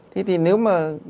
thế thì nếu mà